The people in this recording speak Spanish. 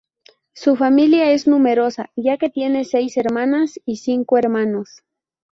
Su familia es numerosa ya que tiene seis hermanas y cinco hermanos.